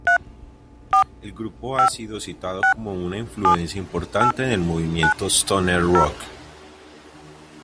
El grupo ha sido citado como una influencia importante en el movimiento stoner rock.